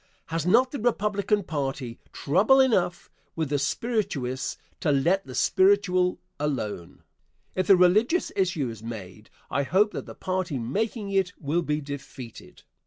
Has not the Republican party trouble enough with the spirituous to let the spiritual alone? If the religious issue is made, I hope that the party making it will be defeated.